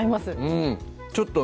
うんちょっとね